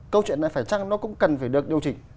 câu chuyện này chắc nó cũng cần phải được điều chỉnh